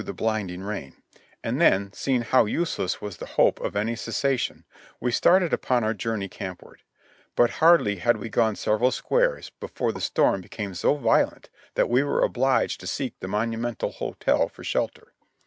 THE BATTLE OF SEVEN PINES 1 29 useless was the hope of any cessation, we started upon our jour ney campward; but hardly had we gone several squares before the storm became so violent that we were obliged to seek the Monumental Hotel for shelter.